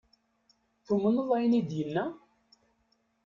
Tumneḍ ayen i d-yenna?